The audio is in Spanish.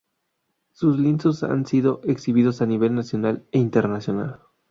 Sus lienzos han sido exhibidos a nivel nacional e internacional.